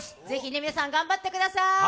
ぜひ皆さん頑張ってください。